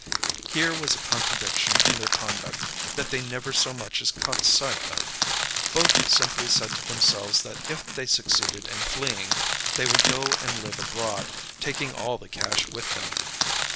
Here was a contradiction in their conduct that they never so much as caught sight of. Both simply said to themselves that if they succeeded in fleeing, they would go and live abroad, taking all the cash with them.